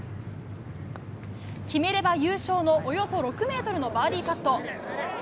決めれば優勝のおよそ６ｍのバーディーパット。